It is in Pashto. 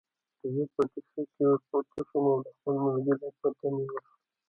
زه په ټکسي کې ورپورته شوم او د خپل ملګري پته مې ورکړه.